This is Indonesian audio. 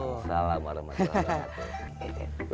wassalamualaikum warahmatullahi wabarakatuh